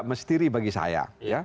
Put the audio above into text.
misteri bagi saya